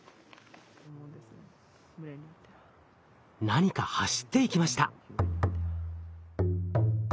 何か走っていきました。